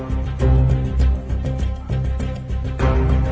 เลือกมีปัญหา